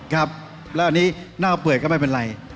ครับแล้วอันนี้เน่าเปื่อยก็ไม่เป็นไร